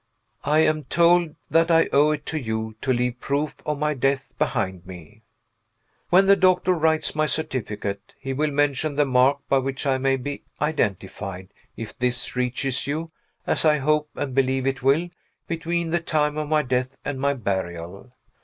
I am told that I owe it to you to leave proof of my death behind me. When the doctor writes my certificate, he will mention the mark by which I may be identified, if this reaches you (as I hope and believe it will) between the time of my death and my burial.